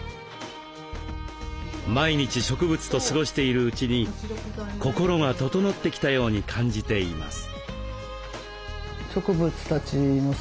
毎日植物と過ごしているうちに心が整ってきたように感じています。